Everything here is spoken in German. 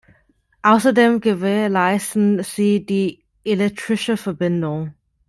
Außerdem gewährleisten sie die elektrische Verbindung.